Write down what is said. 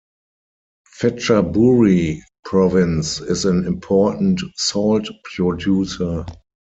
Phetchaburi Province is an important salt producer.